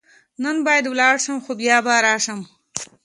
نن باید ولاړ شم، خو بیا به راشم.